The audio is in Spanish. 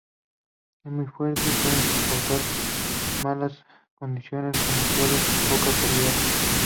Es muy fuerte y puede soportar malas condiciones como suelos de poca calidad.